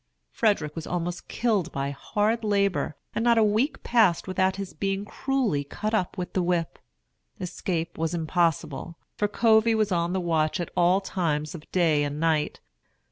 Frederick was almost killed by hard labor, and not a week passed without his being cruelly cut up with the whip. Escape was impossible, for Covey was on the watch at all times of day and night.